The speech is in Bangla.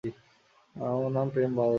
আমার নাম প্রেম, বাচাধন।